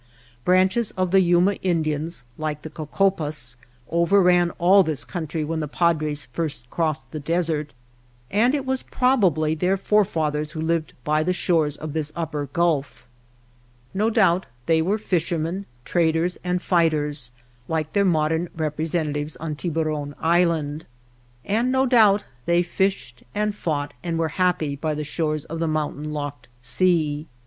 Branches of the Yuma Indians, like the Cocopas, overran all this country when the Padres first crossed the desert ; and it was probably their fore fathers who lived by the shores of this Upper Gulf. No doubt they were fishermen, traders and fighters, like their modern representatives on Tiburon Island ; and no doubt they fished and fought and were happy by the shores of the mountain locked sea.